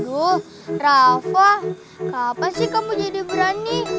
aduh rafa kapan sih kamu jadi berani